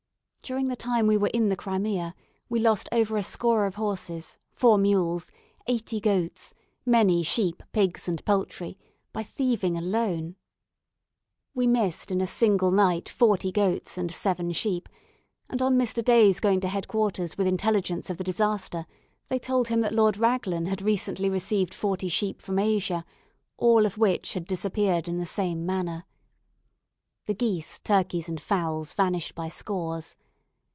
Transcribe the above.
During the time we were in the Crimea we lost over a score of horses, four mules, eighty goats, many sheep, pigs, and poultry, by thieving alone. We missed in a single night forty goats and seven sheep, and on Mr. Day's going to head quarters with intelligence of the disaster, they told him that Lord Raglan had recently received forty sheep from Asia, all of which had disappeared in the same manner. The geese, turkeys, and fowls vanished by scores.